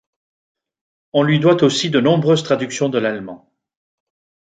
On lui doit aussi de nombreuses traductions de l'allemand.